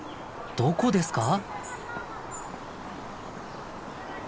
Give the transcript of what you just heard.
どこですか？